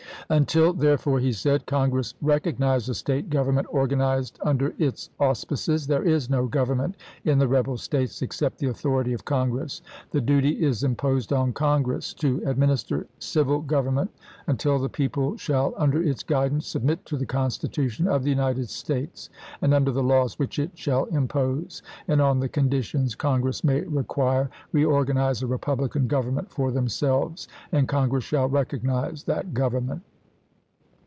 " Until therefore," he said, " Congress recognize a State government organized under its auspices, there is no govern ment in the rebel States except the authority of Congress. .. The duty is imposed on Congress ... to administer civil government until the people shall, under its guidance, submit to the Constitution of the United States, and under the laws which it shall impose, and on the conditions Congress may require, reorganize a republican government for themselves, and Congress shall recognize that government."